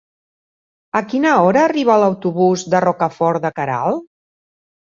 A quina hora arriba l'autobús de Rocafort de Queralt?